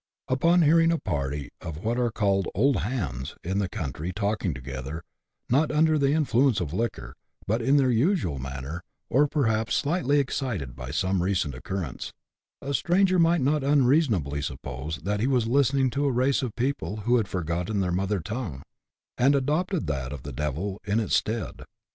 Upon hearing a party of what are called " old hands " in the country talking together, not under the influence of liquor, but in their usual manner, or perhaps slightly excited by some recent occurrence, a stranger might not unreasonably suppose that he was listening to a race of people who had forgotten their mother tongue, and adopted that of the devil in its stead.